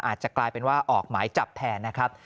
อาจจะกลายเป็นว่าออกหมายจับแทนนะครับ